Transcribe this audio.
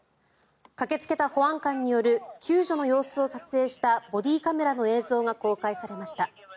駆けつけた保安官による救助の様子を撮影したボディーカメラの映像が公開されました。